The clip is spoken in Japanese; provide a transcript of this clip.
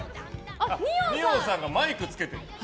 二葉さんがマイクをつけてる。